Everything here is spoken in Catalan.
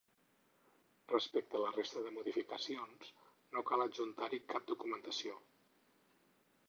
Respecte a la resta de modificacions, no cal adjuntar-hi cap documentació.